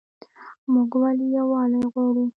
موږ ولې یووالی غواړو؟